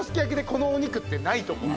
このお肉ってないと思う。